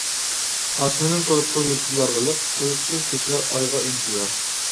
ئاسمىنىم تولۇپتۇ يۇلتۇزلارغا لىق، ئۇيقۇسىز كېچىلەر ئايغا ئىنتىزار.